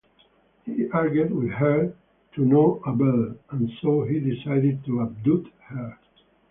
He argued with her to no avail, and so he decided to abduct her.